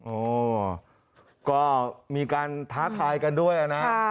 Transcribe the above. โอ้ก็มีการท้าทายกันด้วยนะ